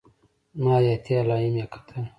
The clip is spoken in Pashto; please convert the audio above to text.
زما حياتي علايم يې کتل.